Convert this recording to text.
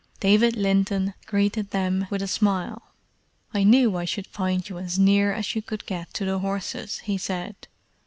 David Linton greeted them with a smile. "I knew I should find you as near as you could get to the horses," he said.